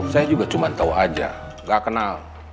saya juga cuma tahu aja gak kenal